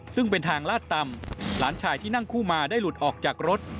ซึ่งเป็นทางลาดต่ำหลานชายที่นั่งคู่มาได้หลุดออกจากรถ